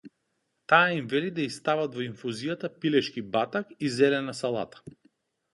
Таа им вели да ѝ стават во инфузијата пилешки батак и зелена салата.